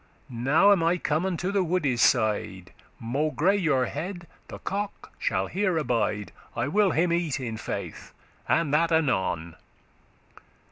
Now am I come unto the woode's side, Maugre your head, the cock shall here abide; I will him eat, in faith, and that anon.